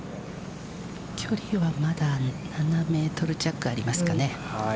距離は、まだ７メートル弱ありますかね。